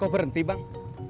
kok berhenti bang